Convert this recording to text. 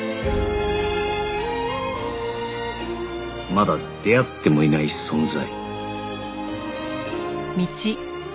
まだ出会ってもいない存在